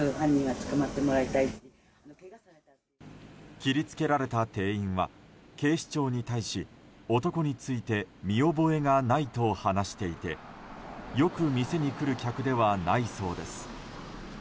切りつけられた店員は警視庁に対し男について見覚えがないと話していてよく店に来る客ではないそうです。